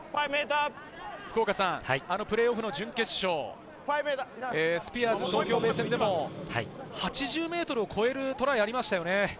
福岡さん、プレーオフの準決勝、スピアーズ東京ベイ戦でも８０ｍを超えるトライがありましたよね。